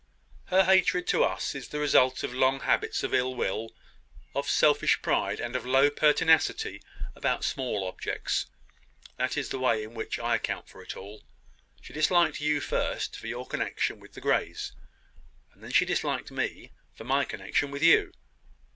"Her hatred to us is the result of long habits of ill will, of selfish pride, and of low pertinacity about small objects. That is the way in which I account for it all. She disliked you first for your connection with the Greys; and then she disliked me for my connection with you.